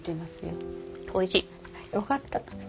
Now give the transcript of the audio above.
よかった。